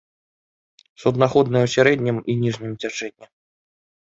Суднаходная ў сярэднім і ніжнім цячэнні.